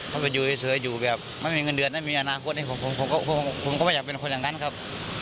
ถ้าไปอยู่เฉยอยู่แบบไม่มีเงินเดือนไม่มีอนาคตผมก็ไม่อยากเป็นคนอย่างนั้นครับ